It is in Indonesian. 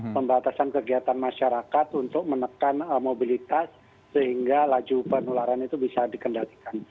pembatasan kegiatan masyarakat untuk menekan mobilitas sehingga laju penularan itu bisa dikendalikan